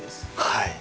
はい！